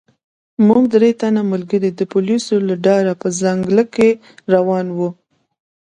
موږ درې تنه ملګري د پولیسو له ډاره په ځنګله کې روان وو.